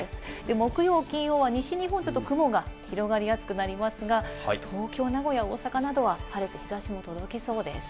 木曜、金曜は西日本、ちょっと雲が広がりやすくなりますが、東京、名古屋、大阪などは晴れて日差しも届きそうです。